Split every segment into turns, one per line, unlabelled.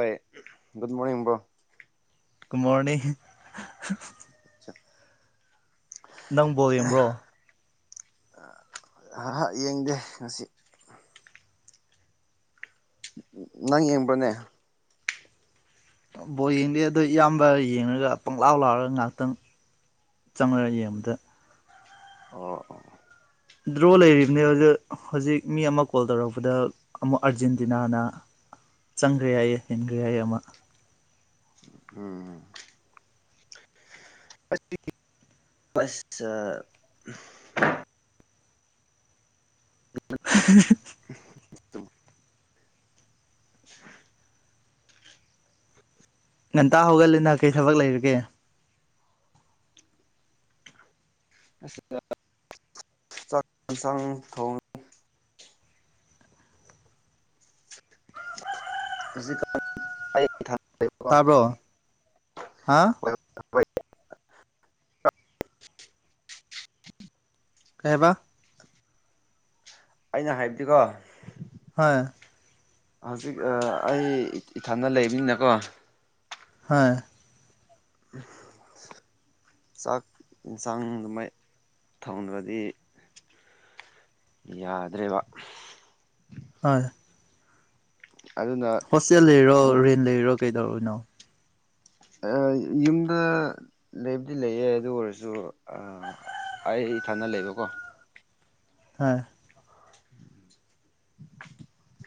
ꯍꯣꯏ good morning ꯏꯕꯣ
good morning
[unintelligible]
ꯅꯪꯕꯣ ꯌꯦꯡꯕ꯭ꯔꯣ
ꯥꯛ ꯌꯦꯡꯗꯦ ꯉꯁꯤ ꯅꯪ ꯌꯦꯡꯕ꯭ꯔꯅꯦ
ꯕꯣ ꯌꯦꯡꯗꯦ ꯑꯗꯣ ꯏꯌꯥꯝꯕ ꯌꯦꯡꯉꯒ ꯄꯪꯂꯪꯂꯥꯎ ꯂꯥꯎꯔꯒ ꯉꯥꯏꯍꯥꯛꯇꯪ ꯆꯪꯉꯛꯒ ꯌꯦꯡꯕꯗ
ꯑꯣ ꯑꯣ
ꯗ꯭ꯔꯣ ꯂꯩꯔꯤꯕꯅꯦ ꯍꯧꯖꯤ ꯍꯧꯖꯤꯛ ꯃꯤ ꯑꯃ ꯀꯣꯜ ꯇꯧꯔꯛꯄꯗ ꯑꯃꯨꯛ ꯑꯥꯔꯖꯦꯟꯇꯤꯅꯥꯅ ꯆꯪꯈ꯭ꯔꯦ ꯌꯥꯏ ꯍꯦꯟꯈ꯭ꯔꯦ ꯌꯥꯏ ꯑꯃ
ꯎꯝꯝ ꯑꯁ
[unintelligible]
[unintelligible] [unintelligible]
ꯉꯟꯇꯥ ꯍꯧꯒꯠꯂꯦꯅ ꯀꯔꯤ ꯊꯕꯛ ꯂꯩꯔꯒꯦ
ꯑꯁꯤꯗ ꯆꯁꯪ ꯊꯣꯡꯉꯤ ꯖꯤ ꯀ
ꯇꯥꯔꯕꯣ ꯍꯥ
[unintelligible]
ꯀꯩꯕ
ꯑꯩꯅ ꯍꯥꯏꯕꯗꯤꯀꯣ
ꯍꯥꯣꯏ
ꯍꯧꯖꯤꯛ ꯑꯩ ꯏꯊꯟꯗ ꯂꯩꯕꯅꯤꯅꯀꯣ
ꯍꯥꯣꯏ
[unintelligible] ꯆꯥꯛ ꯌꯦꯟꯁꯥꯡ ꯑꯗꯨꯃꯥꯏ ꯊꯣꯡꯅ꯭ꯔꯗꯤ ꯌꯥꯗ꯭ꯔꯦꯕ
ꯍꯣꯏ
ꯑꯗꯨꯅ
ꯍꯣꯁꯇꯦꯜ ꯂꯩꯔꯣ
ꯀꯩꯅꯣ
ꯔꯦꯟ ꯂꯩꯔꯣ ꯀꯩꯗꯧꯔꯣꯏꯅꯣ
ꯌꯨꯝꯗ ꯂꯩꯕꯗꯤ ꯂꯩꯌꯦ ꯑꯗꯨ ꯑꯣꯏꯔꯁꯨ ꯑꯩ ꯊꯥꯅ ꯂꯩꯕꯀꯣ
ꯍꯥ
[unintelligible]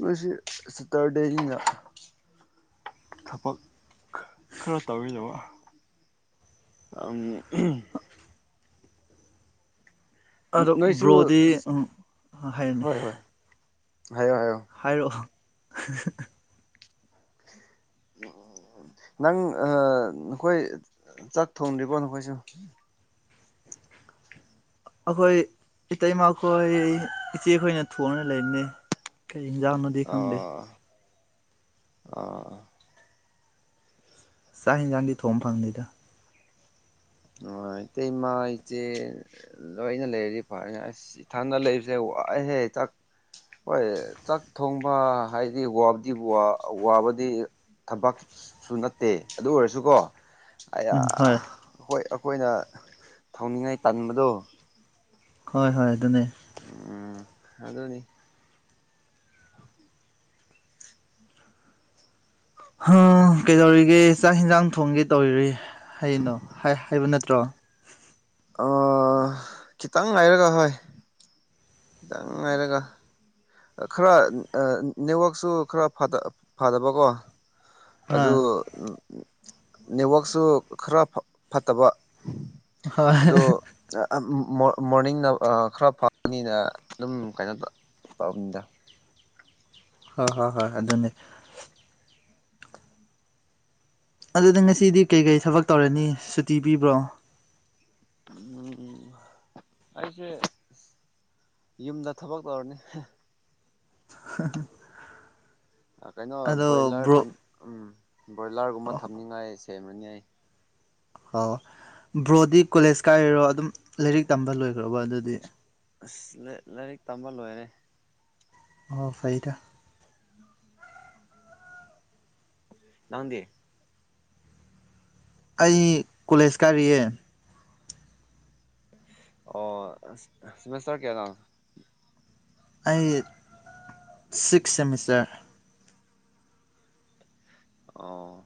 ꯃꯁꯤ ꯁꯤꯇꯥꯔ ꯗꯦꯒꯤ ꯊꯕꯛ ꯈꯔ ꯇꯧꯔꯤꯗꯕ [unintelligible]
ꯑꯗꯣ
ꯅꯣꯏꯁꯨ
ꯕ꯭ꯔꯣꯗꯤ ꯍꯥꯏꯔꯅꯤ
ꯍꯥꯏꯌ ꯍꯥꯏꯌ
[unintelligible]
ꯑꯣ ꯅꯪ ꯅꯈꯣꯏ ꯆꯥꯛ ꯊꯣꯡꯗ꯭ꯔꯤꯀꯣ ꯅꯈꯣꯏꯁꯨ
ꯑꯩꯈꯣꯏ ꯏꯇꯩ ꯃꯈꯣꯏ ꯏꯆꯦꯈꯣꯏꯅ ꯊꯣꯡꯅ ꯂꯩꯔꯤꯩ ꯍꯖꯥꯎꯅꯗꯤ ꯈꯪꯗꯦ
ꯑ
ꯆꯥꯛ ꯍꯟꯒꯥꯥꯡꯗꯤ ꯊꯣꯡ ꯐꯪꯗꯦꯗ
ꯑ ꯏꯇꯩꯇꯩ ꯏꯃꯥ ꯏꯆꯦ ꯂꯣꯏꯅ ꯂꯩꯔꯗꯤ ꯐꯔꯅꯤ ꯑꯁ ꯏꯊꯟꯗ ꯂꯩꯔꯤꯁꯦ ꯍꯦ ꯆꯥꯛ ꯍꯣꯏ ꯆꯥꯛ ꯊꯣꯡꯕ ꯍꯥꯏꯗꯤ ꯋꯥꯗꯤ ꯋꯥꯕꯗꯤ ꯊꯕꯛ ꯁꯨ ꯅꯠꯇꯦ ꯑꯗꯨ ꯑꯣꯏꯔꯁꯨꯀꯣ ꯑ
ꯎꯝ ꯍꯣꯏ
ꯍꯣꯏ ꯑꯩꯈꯣꯏꯅ ꯊꯧꯅꯤꯡꯉꯥꯏ ꯇꯟꯕꯗꯣ
ꯍꯣꯏ ꯍꯣꯏ ꯑꯗꯨꯅꯦ
ꯎ ꯑꯗꯅꯤ
ꯑ ꯀꯩꯗꯧꯔꯤꯒꯦ ꯆꯥꯛ ꯏꯟꯁꯥꯡ ꯊꯣꯡꯒꯦ ꯇꯧꯔꯤꯔꯤ ꯍꯌꯦꯩꯅꯣ ꯍꯥꯏꯕ ꯅꯠꯇ꯭ꯔꯣ
ꯈꯤꯇꯪ ꯍꯥꯏꯥꯏꯔꯒ ꯍꯣꯏ ꯉꯥꯏꯔꯒ ꯈꯔ ꯅꯦꯠꯋꯥꯛꯁꯨ ꯈꯔ ꯐꯗꯕꯀꯣ
ꯑꯥ
ꯑꯗꯨ ꯅꯦꯠꯋꯥꯛꯛꯁꯨ ꯈꯔ ꯐꯠꯇꯕ
ꯍꯣꯏ
ꯑꯗꯣ ꯃꯣꯔꯅꯤꯡꯅ ꯈꯔ ꯐꯪꯅꯤꯅ ꯑꯗꯨꯝ ꯀꯩꯅꯣ ꯇ ꯇꯧꯕꯅꯤꯗ
ꯍꯣꯏ ꯍꯣꯏ ꯍꯣꯏ ꯑꯗꯨꯅꯦ ꯑꯗꯨꯗꯤ ꯉꯁꯤꯗꯤ ꯀꯩꯀꯩ ꯊꯕꯛ ꯇꯧꯔꯅꯤ ꯁꯨꯇꯤ ꯄꯤꯕ꯭ꯔꯣ
ꯎꯝ ꯑꯩꯁꯦ ꯌꯨꯝꯗ ꯊꯕꯛ ꯇꯧꯔꯅꯤ
[unintelligible]
ꯀꯩꯅꯣ
ꯑꯗꯣ ꯕ꯭ꯔꯣ
ꯕꯣꯏꯂꯔ ꯎꯝ ꯕ꯭ꯔꯣꯏꯂꯔꯒꯨꯝꯕ ꯊꯝꯅꯤꯡꯉꯥꯏ ꯁꯦꯝꯔꯅꯤ ꯑꯩ
ꯑꯣ ꯕ꯭ꯔꯣꯗꯤ ꯀꯣꯂꯦꯖ ꯀꯥꯏꯔꯔꯣ ꯑꯗꯨꯝ ꯂꯥꯏꯔꯤꯛ ꯇꯝꯕ ꯂꯣꯏꯈ꯭ꯔꯕ ꯑꯗꯨꯗꯤ
ꯑꯁ ꯂꯥꯏꯔꯤꯛ ꯇꯝꯕ ꯂꯣꯏꯔꯦ
ꯑꯣ ꯁꯩꯗ
ꯎꯝ ꯂꯗꯤ
ꯑꯩ ꯀꯣꯂꯦꯖ ꯀꯥꯔꯤꯌꯦ
ꯑꯣ ꯁꯤꯃꯦꯁꯔ ꯀꯌꯥ ꯂ
ꯑꯩ ꯁꯤꯛꯁ ꯁꯦꯃꯤꯁꯇꯔ
ꯑꯣ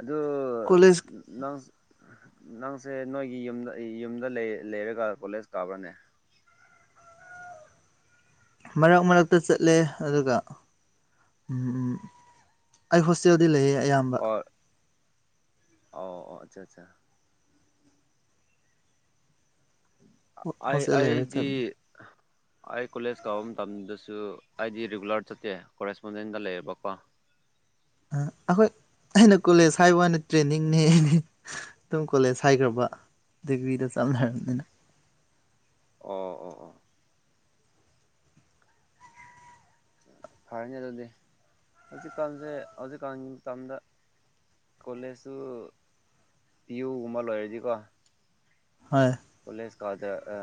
ꯑꯗꯨ
ꯀꯣꯂꯦꯖ
ꯅꯪ ꯅꯪꯁꯦ ꯅꯣꯏꯒꯤ ꯌꯨꯝꯗ ꯌꯨꯝꯗ ꯂꯩꯔꯒ ꯀꯣꯂꯦꯖ ꯀꯥꯕ꯭ꯔꯥꯅꯦ
ꯃꯔꯛ ꯃꯔꯛꯇ ꯆꯠꯂꯦ ꯑꯗꯨꯒ ꯎꯝ ꯎꯝ ꯑꯩ ꯍꯣꯁꯇꯦꯜꯗꯤ ꯂꯩꯌꯦ ꯑꯌꯥꯝꯕ
ꯑꯣ ꯑꯣ ꯑꯣ ꯑꯆꯥ ꯑꯆꯥ ꯑꯩ
ꯍꯣꯁꯇꯦꯜ ꯂꯩꯔ
ꯑꯩꯒꯤ
ꯆꯠꯅꯤ
ꯑꯩ ꯀꯣꯂꯦꯖ ꯀꯥꯕ ꯃꯇꯝꯗꯁꯨ ꯑꯩꯗꯤ ꯔꯤꯒꯨꯂꯔ ꯆꯠꯇꯦ ꯀꯣꯔꯦꯁꯄꯣꯟꯗꯦꯟꯗ ꯂꯩꯔꯕꯀꯣ [inaudible]
ꯑꯩꯈꯣꯏ ꯑꯩꯅ ꯀꯣꯂꯦꯖ ꯍꯥꯏꯕꯅ ꯇ꯭ꯔꯦꯟꯅꯤꯡꯅꯦ ꯑꯗꯨꯝ ꯀꯣꯂꯦꯖ ꯍꯥꯏꯈ꯭ꯔꯕ ꯗꯕꯤꯗ ꯆꯥꯟꯅꯔꯅꯤꯅ
ꯑꯣ ꯑꯣ ꯑꯣ ꯐꯔꯅꯤ ꯑꯗꯨꯗꯤ ꯍꯧꯖꯤꯛꯀꯥꯟꯁꯦ ꯍꯧꯖꯤꯛꯀꯥꯟꯒꯤ ꯃꯇꯝꯗ ꯀꯣꯂꯦꯖꯁꯨ ꯄꯤ ꯌꯨꯒꯨꯝꯕ ꯂꯣꯏꯔꯗꯤꯀꯣ
ꯍ [inaudible]
ꯄꯨꯂꯤꯁ ꯀꯥꯗ ꯑ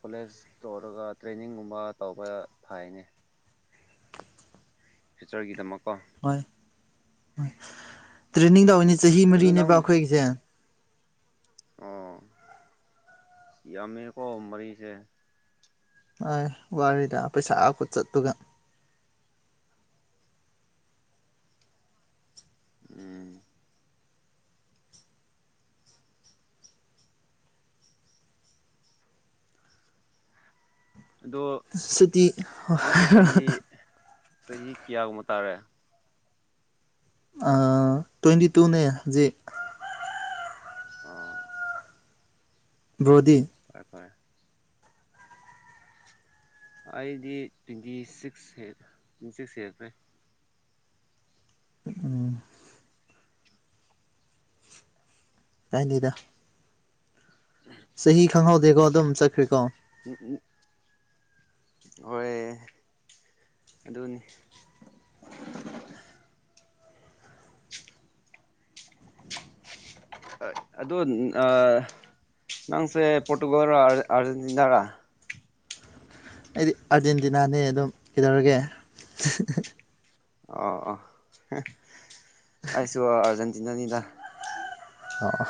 ꯀꯣꯂꯦꯖ ꯇꯧꯔꯒ ꯇ꯭ꯔꯦꯅꯤꯡꯒꯨꯝꯕ ꯇꯧꯕ ꯊꯥꯏꯅꯤ ꯐ꯭ꯌꯨꯆꯔꯒꯤꯗꯃꯛ
ꯍꯣꯏ ꯇ꯭ꯔꯦꯟꯅꯤꯡ ꯇꯧꯅꯦ ꯆꯍꯤ
ꯑꯗꯨ ꯅꯪ
ꯃꯔꯤꯅꯦꯕ ꯑꯩꯈꯣꯏꯒꯤꯁꯦ
ꯑꯣ ꯁꯤꯌꯥꯃꯤꯔ ꯀꯣ ꯃꯔꯤꯁꯦ
ꯍ ꯋꯥꯔꯤꯗ ꯑ ꯄꯦꯁꯥ ꯈꯨꯆꯠ ꯇꯒ
ꯎꯝ ꯑꯗꯣ
ꯁꯨꯇꯤ
ꯅꯪꯁꯦ ꯆꯍꯤ ꯆꯍꯤ ꯀꯌꯥꯒꯨꯝꯕ ꯇꯥꯔꯦ
ꯑ ꯇ꯭ꯋꯦꯟꯇꯤ ꯇꯨꯅꯦ ꯖꯤ
ꯑ
ꯕ꯭ꯔꯣꯗꯤ
ꯇꯔꯦ ꯐꯔꯦ ꯑꯩꯗꯤ ꯇ꯭ꯋꯦꯟꯇꯤ ꯁꯤꯛꯁ ꯍ ꯇ꯭ꯋꯦꯟꯇꯤ ꯁꯤꯛꯁ ꯍꯦꯛꯇ꯭ꯔꯦ
ꯑ ꯇꯥꯏꯅꯤꯗ ꯈꯪꯍꯧꯗꯦꯀꯣ ꯑꯗꯨꯝ ꯆꯠꯈ꯭ꯔꯦꯀꯣ
ꯎꯝ ꯑꯣꯏ ꯑꯗꯨꯅꯤ ꯑꯗꯣ ꯑ ꯅꯁꯦ ꯄꯇꯨꯒꯜ ꯑꯔꯖꯦꯟꯇꯤꯅꯥ ꯔ
ꯑꯩꯗꯤ ꯑꯥꯔꯖꯦꯟꯇꯤꯅꯥꯅꯦ ꯑꯗꯨꯝ ꯀꯩꯗꯧꯔꯒꯦ
ꯑ ꯑ ꯑꯁꯨ ꯑ ꯑꯔꯖꯦꯟꯦꯟꯇꯤꯅꯥꯅꯤꯗ
ꯑꯣ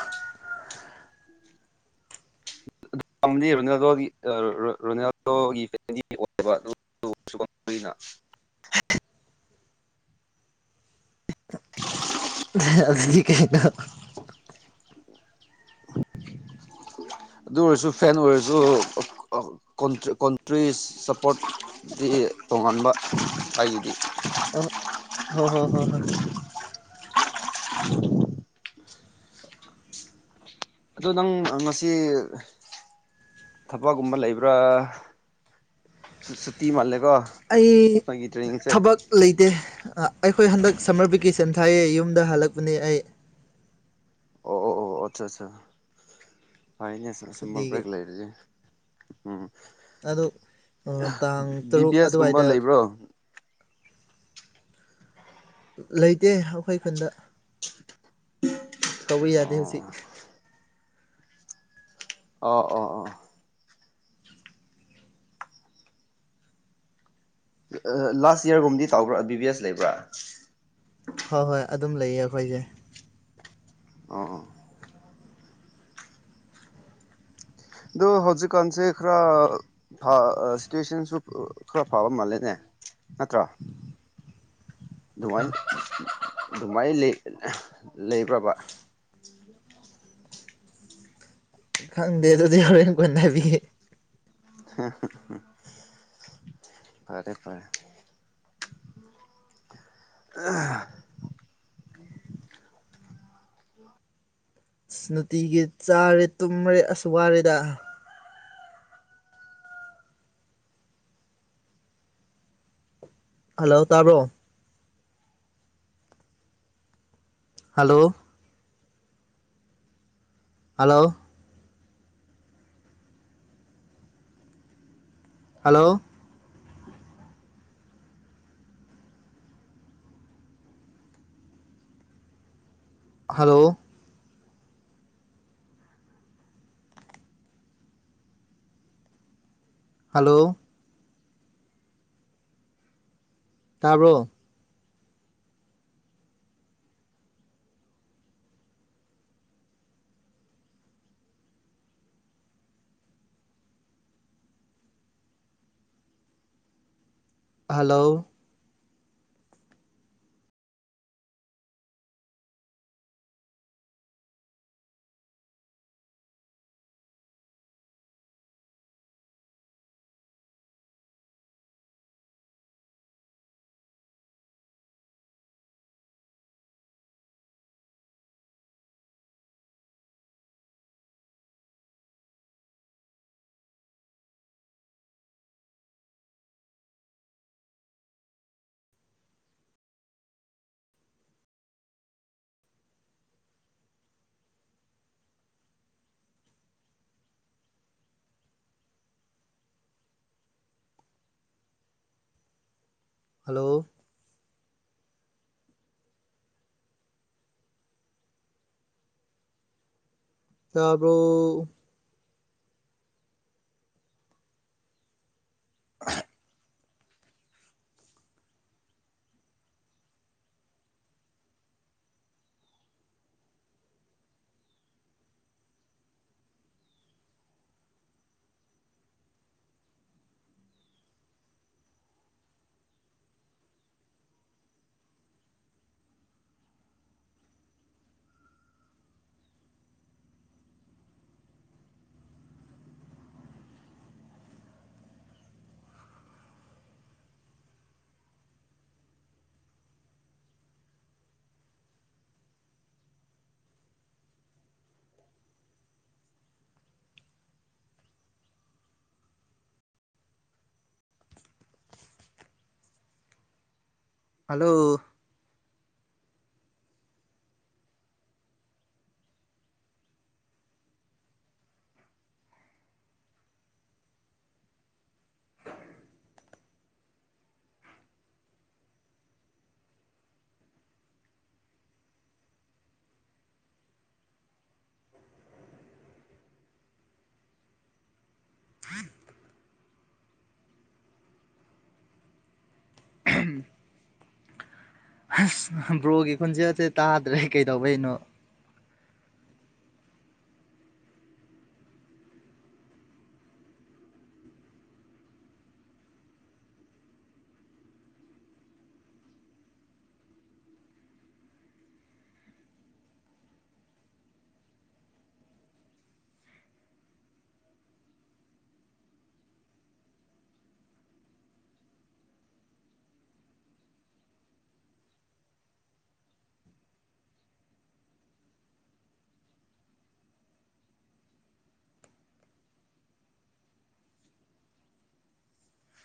ꯑꯗꯨ ꯄꯥꯝꯗꯤ ꯔꯣꯅꯥꯜꯗꯣꯒꯤ ꯔꯣꯅꯥꯜꯗꯣꯒꯤ ꯐꯦꯃꯤꯂꯤꯒꯤ ꯑꯣꯏꯌꯦꯕ ꯑꯗꯨ ꯁꯨꯅ [inaudible]
ꯗꯤ ꯀꯩꯅꯣ
ꯑꯗꯨ ꯑꯣꯏꯔꯁꯨ ꯐꯦꯟ ꯑꯣꯏꯔꯁꯨ ꯀꯣꯟꯇ꯭ꯔꯤ ꯏꯁꯄꯣꯔꯠꯁꯤ ꯇꯣꯉꯥꯟꯕ ꯑꯩꯒꯤꯗꯤ
ꯑꯣ ꯍ ꯍꯣ ꯍꯣ ꯍ [unintelligible]
[inaudible] ꯑꯗꯨ ꯅꯪ ꯉꯁꯤ ꯊꯕꯛꯒꯨꯝꯕ ꯂꯩꯕ꯭ꯔꯥ ꯁꯨꯇꯤ ꯃꯥꯜꯂꯦ
ꯑꯩ ꯊꯕꯛ ꯂꯩꯇꯦ ꯑꯩꯈꯣꯏ ꯍꯟꯗꯛ ꯁꯝꯃꯔ ꯚꯦꯀꯦꯁꯟ ꯊꯥꯏꯌꯦ ꯌꯨꯝꯗ ꯍꯜꯂꯛꯄꯅꯦ ꯑꯩ
ꯑꯣ ꯑꯣ ꯑꯣ ꯑꯆꯥ ꯑꯆꯥ
ꯁꯨꯇꯤꯒꯤ
ꯍꯥꯏꯅꯦꯝꯕ꯭ꯔꯦꯛ ꯂꯩꯔꯗꯤꯦ ꯎꯝ
ꯑꯗꯨ ꯇꯥꯡ
ꯕꯤꯕꯤ
ꯇꯔꯨꯛ ꯑꯗꯨꯋꯥꯏꯗ
ꯑꯦꯁꯒꯨꯝꯕ ꯂꯩꯕ꯭ꯔꯣ
ꯂꯩꯇꯦ ꯑꯩꯈꯣꯏ ꯈꯨꯟꯗ ꯇꯧꯕ ꯌꯥꯗꯦ ꯍꯧꯖꯤꯛ
ꯑꯣ ꯑꯣ ꯑꯣ ꯑꯣ ꯂꯥꯁ ꯌꯔꯒꯨꯝꯗꯤ ꯇꯕ꯭ꯔꯥ ꯕꯤꯕꯤ ꯑꯦꯁ ꯂꯩꯕ꯭ꯔꯥ
ꯍꯣꯏ ꯍꯣꯏ ꯑꯗꯨꯝ ꯂꯩꯌꯦ ꯑꯩꯈꯣꯏꯁꯦ
ꯑ ꯑꯗꯨꯗ ꯍꯧꯖꯤꯛꯀꯥꯟꯁꯦ ꯈꯔ ꯁꯇꯨꯦꯁꯟꯁꯨ ꯈꯔ ꯐꯕ ꯃꯥꯜꯂꯦꯅꯦ ꯅꯠꯇ꯭ꯔꯣ
ꯍꯣꯏ
ꯑꯗꯨꯃꯥꯏꯅ ꯑꯗꯨꯃꯥꯏꯅ ꯂꯩꯕ꯭ꯔꯕ
ꯈꯪꯗꯦ ꯑꯗꯨꯗꯤ ꯍꯔ ꯀꯣꯟ ꯊꯕꯤ
ꯐꯔꯦ ꯐꯔꯦ ꯑ
ꯅꯨꯡꯇꯤꯒꯤ ꯆꯥꯔꯦ ꯇꯨꯝꯔꯦ ꯑꯁ ꯋꯥꯔꯦꯗ ꯍꯜꯂꯣ ꯇꯥꯕ꯭ꯔꯣ hello hello hello hello hello ꯇꯔꯣ ꯍꯜꯂꯣ ꯍꯂꯣ ꯇꯔꯕꯣ [unintelligible] ꯍꯜꯂꯣ ꯑꯁ ꯕ꯭ꯔꯣꯒꯤ ꯈꯨꯣꯟꯖꯦꯜꯁ ꯇꯥꯗ꯭ꯔꯦ ꯀꯩꯗꯧꯕꯩꯅꯣ